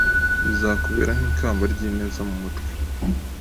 bizakubera nk’ikamba ry’ineza ku mutwe